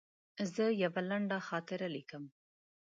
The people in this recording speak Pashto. زه یوه لنډه خاطره لیکم.